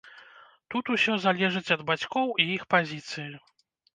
Тут усё залежыць ад бацькоў і іх пазіцыі.